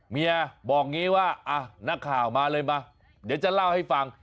เมียบอกอย่างนี้ว่านักข่าวมาเลยมาเดี๋ยวจะเล่าให้ฟัง